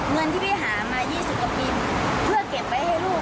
เงินที่พี่หามา๒๐กว่าปีเพื่อเก็บไว้ให้ลูก